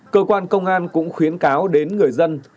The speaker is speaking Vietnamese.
cơ quan công an cũng khuyến cáo đến người dân